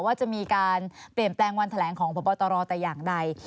ว่าจะมีการเปลี่ยนแปลงวันแถลงของพบตรแต่อย่างใด